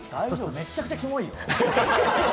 めっちゃくちゃきもいよ。